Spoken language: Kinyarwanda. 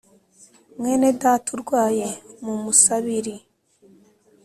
mwene data urwaye mu musabiri